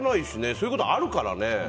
そういうことあるしね。